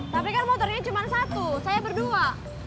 tapi kan motornya cuma satu saya berdua